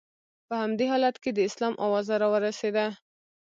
په همدې حالت کې د اسلام اوازه را ورسېده.